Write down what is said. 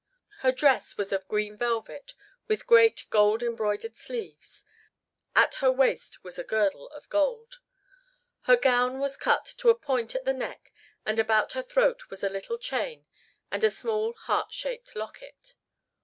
Her dress was of green velvet, with great gold embroidered sleeves. At her waist was a girdle of gold. Her gown was cut to a point at the neck and about her throat was a little chain and a small heart shaped locket.